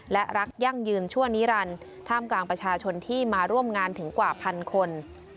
และรักยั่งยืนชั่วนิรันดิ์ท่ามกลางประชาชนที่มาร่วมงานถึงกว่าพันคน